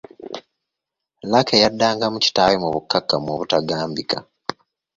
Lucky yaddangamu kitaawe mu bukkakkamu obutagambika.